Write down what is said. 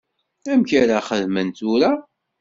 Amek ara xedmen tura?